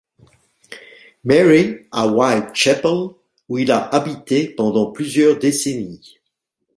Mary à Whitechapel, où il a habité pendant plusieurs décennies.